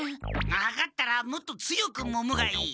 分かったらもっと強くもむがいい。